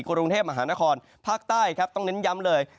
กรุงเทพมหานครภาคใต้ครับต้องเน้นย้ำเลย